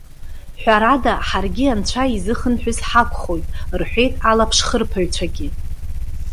Ҳәарада, ҳаргьы Анцәа изыхынҳәыз ҳакәхоит!- рҳәеит алаԥшхырԥаҩцәагьы.